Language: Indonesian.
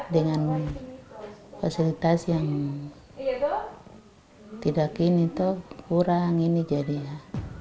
dengan fasilitas yang tidak kini tuh kurang ini jadi ya